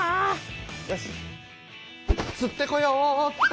よしつってこようっと。